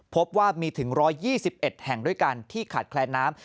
พบว่ามีถึง๑๒๑แห่งด้วยกันที่ขาดแคลนน้ำ